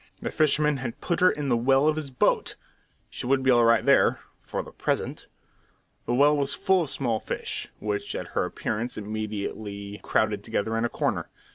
The fisherman had put her into the well of his boat. She would be all right there for the present! The well was full of small fish, which at her appearance immediately crowded together in a corner.